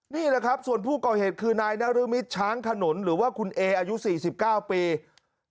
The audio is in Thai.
นี่แหละครับส่วนผู้ก่อเหตุคือนายนรมิตช้างขนุนหรือว่าคุณเออายุ๔๙ปี